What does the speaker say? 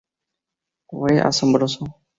Fue asombroso.